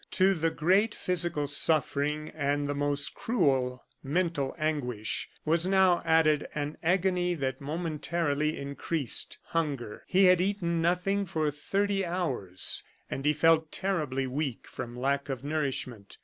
To the great physical suffering, and the most cruel mental anguish, was now added an agony that momentarily increased hunger. He had eaten nothing for thirty hours, and he felt terribly weak from lack of nourishment.